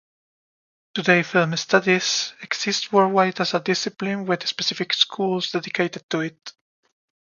Today film studies exists worldwide as a discipline with specific schools dedicated to it.